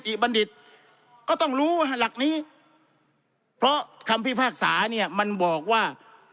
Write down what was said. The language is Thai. บัณฑิตก็ต้องรู้หลักนี้เพราะคำพิพากษาเนี่ยมันบอกว่า